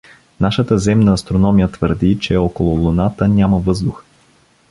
— Нашата земна астрономия твърди, че около Луната няма въздух.